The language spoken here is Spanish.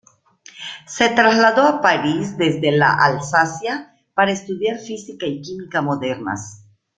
Se trasladó a París desde la Alsacia para estudiar física y química modernas.